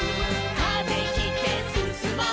「風切ってすすもう」